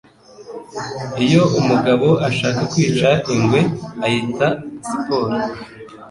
Iyo umugabo ashaka kwica ingwe ayita siporo;